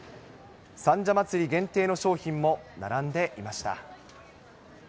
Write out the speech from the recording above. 三社祭限定の商品も並んでいました。